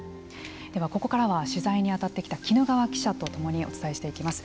では、ここからは取材に当たってきた絹川記者と共にお伝えしていきます。